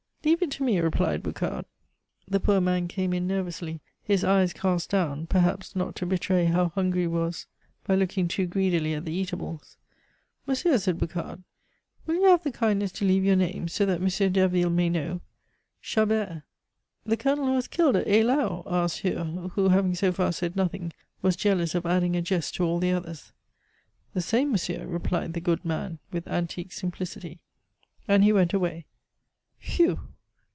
"Leave it to me," replied Boucard. The poor man came in nervously, his eyes cast down, perhaps not to betray how hungry he was by looking too greedily at the eatables. "Monsieur," said Boucard, "will you have the kindness to leave your name, so that M. Derville may know " "Chabert." "The Colonel who was killed at Eylau?" asked Hure, who, having so far said nothing, was jealous of adding a jest to all the others. "The same, monsieur," replied the good man, with antique simplicity. And he went away. "Whew!"